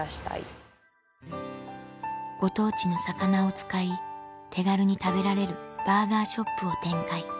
ご当地の魚を使い手軽に食べられるバーガーショップを展開